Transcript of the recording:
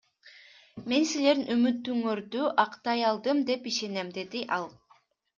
Мен силердин үмүтүңөрдү актай алдым деп ишенем, — деди ал.